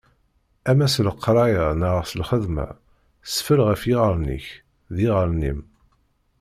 Ama s leqraya, neɣ d lxedma, sfell ɣef yiɣallen-ik, d yiɣallen-im.